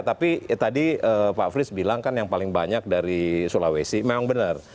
tapi tadi pak frits bilang kan yang paling banyak dari sulawesi memang benar